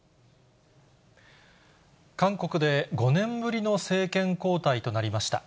韓国で５年ぶりの政権交代となりました。